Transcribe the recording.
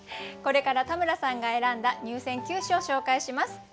これから田村さんが選んだ入選九首を紹介します。